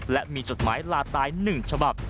และมีจดหมายลาตาย๑ฉบับ